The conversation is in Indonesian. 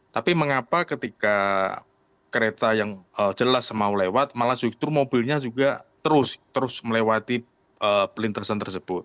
tapi mengapa ketika kereta yang jelas mau lewat malah justru mobilnya juga terus melewati pelintasan tersebut